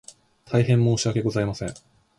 大変申し訳ございません